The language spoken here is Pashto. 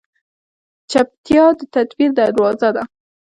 چپتیا، د تدبیر دروازه ده.